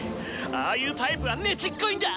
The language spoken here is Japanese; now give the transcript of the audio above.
ああいうタイプはねちっこいんだ！